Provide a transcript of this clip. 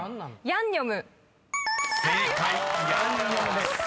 「ヤンニョム」です］